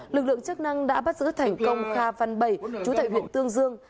lực lượng chức năng đã bắt giữ thành công kha phan bảy chú tệ huyện tương dương